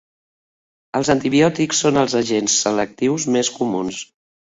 Els antibiòtics són els agents selectius més comuns.